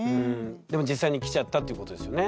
でも実際にきちゃったってことですよね。